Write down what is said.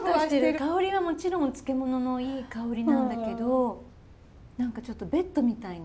香りはもちろんお漬物のいい香りなんだけど何かちょっとベッドみたいな。